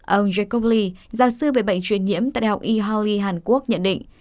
ông jacob lee giáo sư về bệnh truyền nhiễm tại đại học e holly hàn quốc nhận định